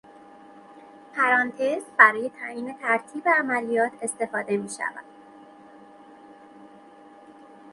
پرانتز برای تعیین ترتیب عملیات استفاده میشود